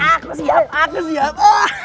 aku siap aku siap